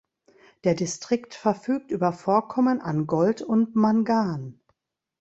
Der Distrikt verfügt über Vorkommen an Gold und Mangan.